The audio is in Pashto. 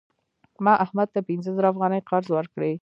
ما احمد ته پنځه زره افغانۍ قرض ورکړې.